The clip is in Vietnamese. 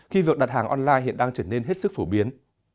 khi việc đặt hàng online hiện đang trở nên hết sức phổ biến